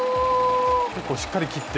結構しっかり切って。